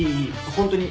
ホントに。